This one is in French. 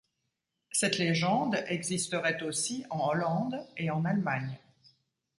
Cette légende existerait aussi en Hollande et en Allemagne.